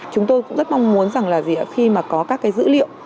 chúng tôi cũng rất mong muốn rằng là khi mà có các cái dữ liệu